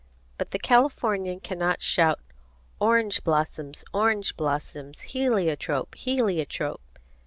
But the Californian cannot shout "orange blossoms, orange blossoms; heliotrope, heliotrope!"